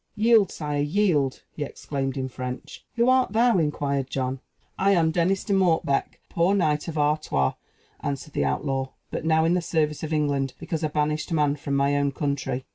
"Yield, sire, yield!" he exclaimed in French. "Who art thou?" inquired John. "I am Denis de Mortbec, a poor knight of Artois," answered the outlaw, "but now in the service of England, because a banished man from my own country."